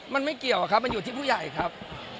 มันไม่เกี่ยวครับมันอยู่ที่ผู้ใหญ่ครับ